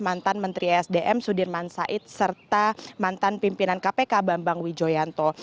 mantan menteri esdm sudirman said serta mantan pimpinan kpk bambang wijoyanto